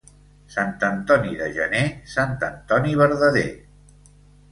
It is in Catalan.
Sant Antoni de gener, Sant Antoni verdader.